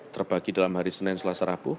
terbagi dalam hari senin selasa rabu